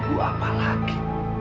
tunggu apa lagi